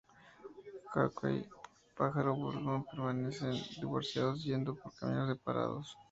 Hawkeye y Pájaro Burlón permanecen divorciados, yendo por caminos separados.